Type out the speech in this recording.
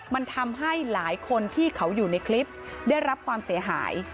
มันทำให้หลายคนที่เขาอยู่ในคลิปได้รับความเสียหาย